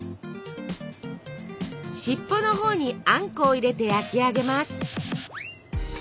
尻尾のほうにあんこを入れて焼き上げます。